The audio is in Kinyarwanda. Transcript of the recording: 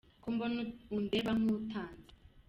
Ko mbona undeba nk'utanzi?